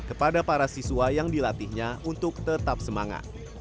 kepada para siswa yang dilatihnya untuk tetap semangat